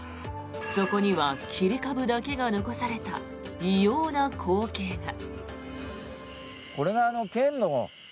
そこには切り株だけが残された異様な光景が。